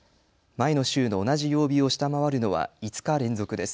前の週の同じ曜日を下回るのは５日連続です。